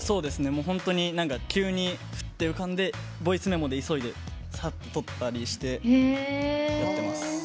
本当に急にふっと浮かんでボイスメモで急いで、さっと取ったりしてやってます。